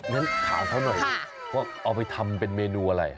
อย่างนั้นถามเท่านั้นหน่อยเอาไปทำเป็นเมนูอะไร